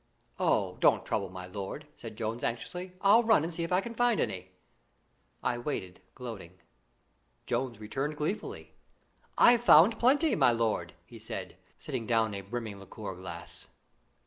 "Oh, don't trouble, my lord," said Jones anxiously. "I'll run and see if I can find any." I waited, gloating. Jones returned gleefully. "I've found plenty, my lord," he said, setting down a brimming liqueur glass.